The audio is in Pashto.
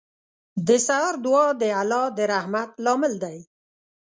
• د سهار دعا د الله د رحمت لامل دی.